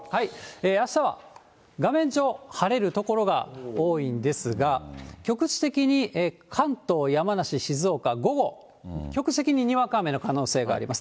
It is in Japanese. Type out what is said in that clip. あしたは画面上、晴れる所が多いんですが、局地的に関東、山梨、静岡、午後、局地的ににわか雨の可能性があります。